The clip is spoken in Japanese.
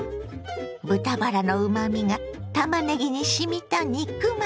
豚バラのうまみがたまねぎにしみた肉巻き。